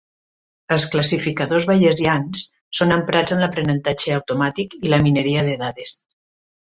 Els classificadors bayesians són emprats en l'aprenentatge automàtic i la mineria de dades.